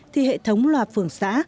thì hệ thống loa phường xã